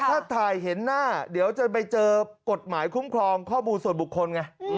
ถ้าถ่ายเห็นหน้าเดี๋ยวจะไปเจอกฎหมายคุ้มครองข้อมูลส่วนบุคคลไง